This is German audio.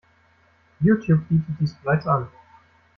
YouTube bietet dies bereits an.